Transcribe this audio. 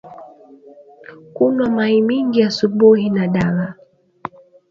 Kunwa mayi mingi asubui ni dawa